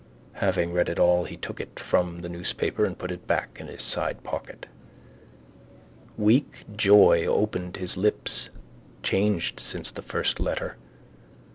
Having read it all he took it from the newspaper and put it back in his sidepocket. Weak joy opened his lips. Changed since the first letter.